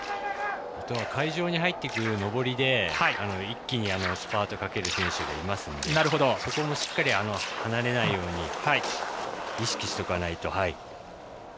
会場に入ってくる上りで一気にスパートかける選手がいますのでそこもしっかり離れないように意識しておかないと。